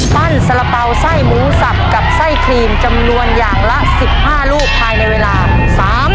สละเป๋าไส้หมูสับกับไส้ครีมจำนวนอย่างละ๑๕ลูกภายในเวลา